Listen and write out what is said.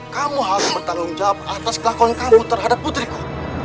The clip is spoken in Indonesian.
kamu harus bertanggung jawab atas kelakuan kamu terhadap putriku